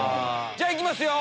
じゃあいきますよ！